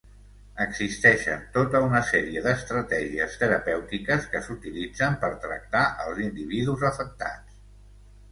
Existeixen tota una sèrie d'estratègies terapèutiques que s'utilitzen per tractar als individus afectats.